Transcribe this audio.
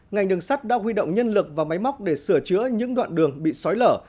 ngành đường sắt đã huy động nhân lực và máy móc để sửa chữa những đoạn đường bị sói lở